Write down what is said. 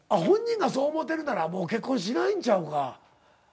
本人がそう思てるならもう結婚しないんちゃうか。